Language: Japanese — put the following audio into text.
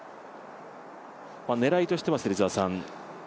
狙いとしては芹澤さん？